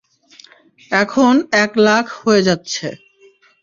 এখন এক লাখ হয়ে যাচ্ছে।